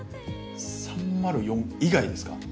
３０４以外ですか？